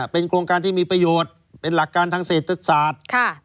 เป็นโครงการที่มีประโยชน์เป็นหลักการทางเศรษฐศาสตร์